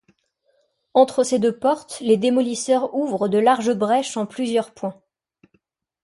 Entre ces deux portes, les démolisseurs ouvrent de larges brèches en plusieurs points.